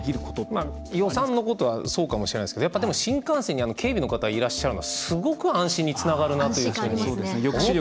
予算のことはそうかもしれないですけど新幹線に警備の方がいらっしゃるのはすごく安心につながるなと思ったので、